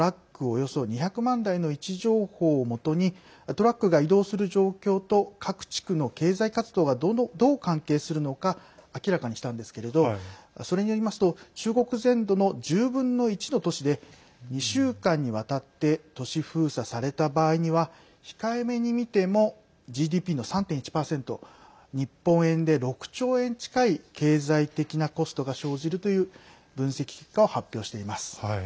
およそ２００万台の位置情報をもとにトラックが移動する状況と各地区の経済活動はどう関係するのか明らかにしたんですけれどそれによりますと中国全土の１０分の１の都市で２週間にわたって都市封鎖された場合には控えめに見てもＧＤＰの３．１％日本円で６兆円近い経済的なコストが生じるという分析結果を発表しています。